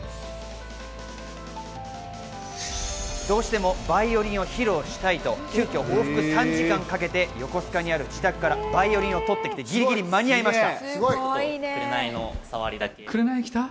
どうしてもバイオリンを披露したいと急きょ、往復３時間かけて横須賀にある自宅からバイオリンを取ってきて、ぎりぎり間に合いました。